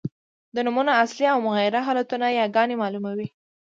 د نومونو اصلي او مغیره حالتونه یاګاني مالوموي.